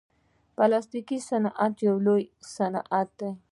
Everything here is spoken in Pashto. پلاستيکي صنعت یو لوی صنعت دی.